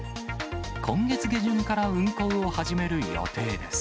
今月下旬から運航を始める予定です。